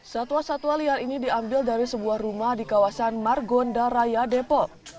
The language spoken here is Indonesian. satwa satwa liar ini diambil dari sebuah rumah di kawasan margonda raya depok